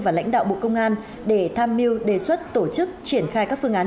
và lãnh đạo bộ công an để tham mưu đề xuất tổ chức triển khai các phương án